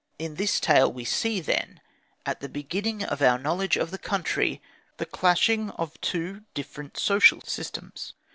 In this tale we see, then, at the beginning of our knowledge of the country, the clashing of two different social systems.